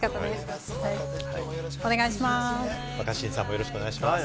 よろしくお願いします。